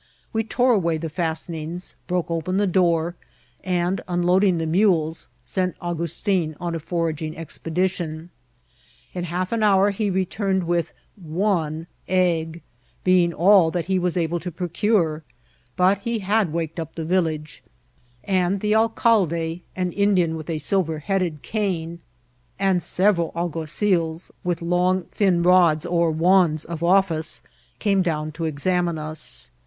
We tore away the Csist* enings, broke open the door, and, unloading the mules, sent Augustin on a foraging expedition. In half an hour he returned with one egg, being all that he was able to procure ; but he had waked up the village, and the alcalde, an Indian with a silver headed cane, and several alguazils with long thin rods or wands of office, came down to examine us.